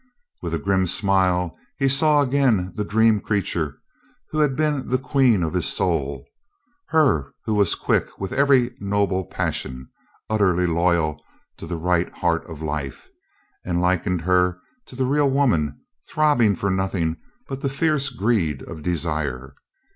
With a grim smile he saw again the dream creature who had been the queen of his soul, her who was quick with every noble passion, utterly loyal to the right heart A CAVALIER DIES 361 of life, and likened her to the real woman, throb bing for nothing but the fierce greed of desire.